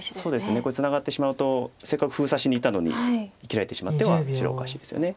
これツナがってしまうとせっかく封鎖しにいったのに切られてしまっては白おかしいですよね。